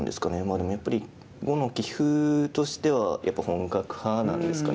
でもやっぱり碁の棋風としては本格派なんですかね。